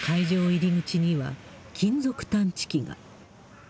入り口には、金属探知機が。